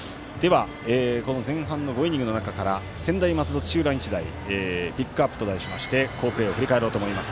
前半の５イニングの中から専大松戸、土浦日大ピックアップと題しまして好プレーを振り返ろうと思います。